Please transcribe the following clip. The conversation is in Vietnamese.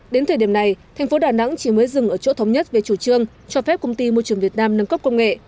đến thời điểm này thành phố đà nẵng chỉ mới dừng ở chỗ thống nhất về chủ trương cho phép công ty môi trường việt nam nâng cấp công nghệ